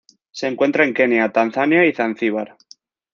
Se encuentra en Kenia, Tanzania y Zanzibar.